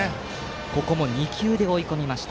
ここも２球で追い込みました。